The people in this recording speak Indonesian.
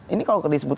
ini kalau disebut